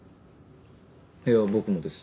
いや僕もです。